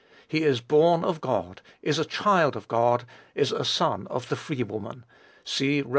He is born of God, is a child of God, is a son of the free woman. (See Rom.